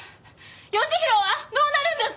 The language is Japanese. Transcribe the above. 吉宏はどうなるんですか！？